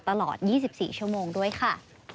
ตลอด๒๔ชั่วโมงด้วยค่ะ